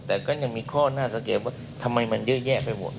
แต่ก็ยังมีข้อน่าสังเกตว่าทำไมมันเยอะแยะไปหมด